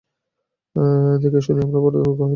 দেখিয়া শুনিয়া আমার বড়ো দুঃখ হইল।